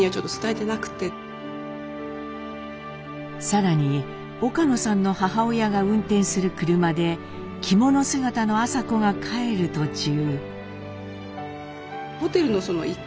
更に岡野さんの母親が運転する車で着物姿の麻子が帰る途中。